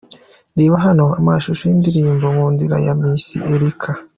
Reba hano amashusho y'indirimbo'Nkundira 'ya Miss Erica.